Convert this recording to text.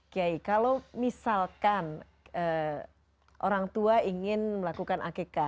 kiai kalau misalkan orang tua ingin melakukan akk